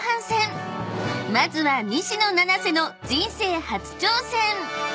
［まずは西野七瀬の人生初挑戦］